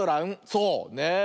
そうねえ。